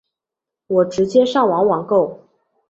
我直接上网网购